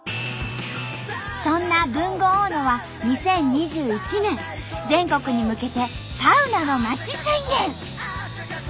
そんな豊後大野は２０２１年全国に向けて「サウナのまち宣言」。